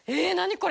これ！